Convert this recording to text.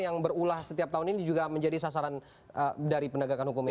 yang berulah setiap tahun ini juga menjadi sasaran dari penegakan hukum ini